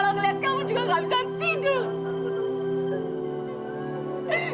kalau ngelihat kamu juga enggak bisa tidur